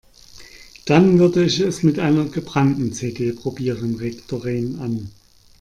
Dann würde ich es mit einer gebrannten CD probieren, regt Doreen an.